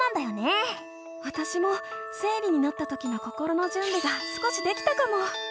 わたしも生理になったときの心のじゅんびが少しできたかも。